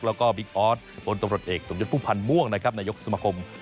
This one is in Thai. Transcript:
แล้วก็บิ๊กออสบนตรวจเอกสมยุทธภูมิภัณฑ์ม่วงนะครับนายกสมคม